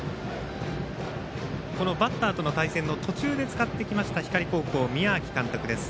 このバッターとの対戦の途中で使ってきました光高校、宮秋監督です。